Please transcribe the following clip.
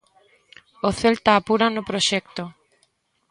O Celta apura no proxecto.